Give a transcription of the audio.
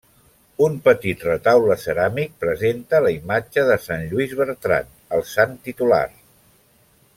Un petit retaule ceràmic presenta la imatge de Sant Lluís Bertran, el sant titular.